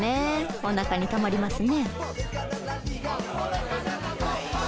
おなかにたまりますね。